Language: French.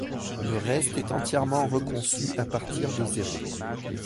Le reste est entièrement reconçu à partir de zéro.